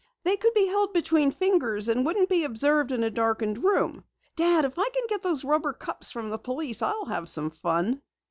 They could be held between the fingers and wouldn't be observed in a darkened room. Dad, if I can get those rubber cups from the police, I'll have some fun!"